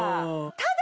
ただ。